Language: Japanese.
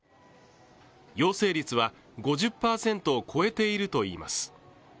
陽性率は５０％を超えているといいます。